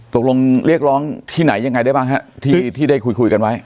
ตกลงเรียกร้องที่ไหนยังไงได้บ้างฮะที่ได้คุยกันไว้